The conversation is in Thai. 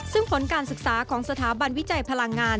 ซึ่งผลการศึกษาของสถาบันวิจัยพลังงาน